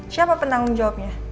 siapa penanggung jawabnya